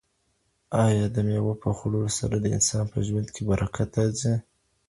ایا د مېوو په خوړلو سره د انسان په ژوند کي برکت راځي؟